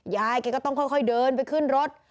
ยายแกก็ต้องค่อยเดินไปขึ้นรถ